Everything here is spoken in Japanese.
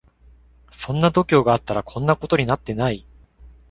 そんな度胸があったらこんなことになってない